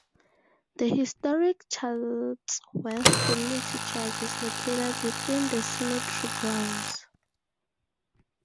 The historic Chatsworth Community Church is located within the cemetery grounds.